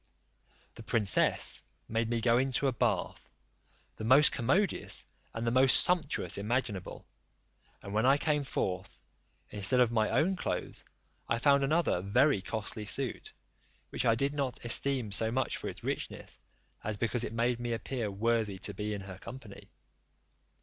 The princess made me go into a bath, the most commodious, and the most sumptuous imaginable; and when I came forth, instead of my own clothes I found another very costly suit, which I did not esteem so much for its richness, as because it made me appear worthy to be in her company.